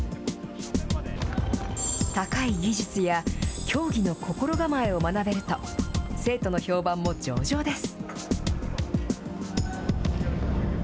高い技術や、競技の心構えを学べると、生徒の評判も上々です。